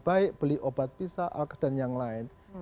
baik beli obat pisah dan yang lain